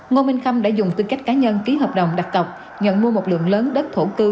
ngô minh khâm đã dùng tư cách cá nhân ký hợp đồng đặt cọc nhận mua một lượng lớn đất thổ cư